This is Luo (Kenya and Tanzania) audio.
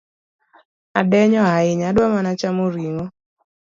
Adenyo ahinya , adwa mana chamo ring’o